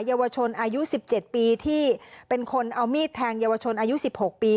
เยาวชนอายุ๑๗ปีที่เป็นคนเอามีดแทงเยาวชนอายุ๑๖ปี